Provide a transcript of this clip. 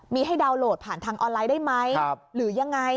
มีให้ดาวนโหลดผ่านทางออนไลน์ได้ไหมหรือยังไง